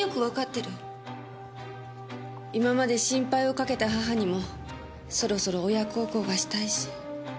今まで心配をかけた母にもそろそろ親孝行がしたいし。